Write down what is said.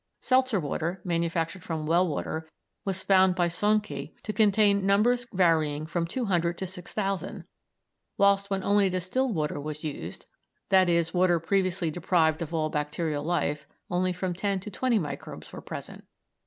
Seltzer water, manufactured from well water, was found by Sohnke to contain numbers varying from 200 to 6,000, whilst when only distilled water was used, i.e. water previously deprived of all bacterial life, only from ten to thirty microbes were present.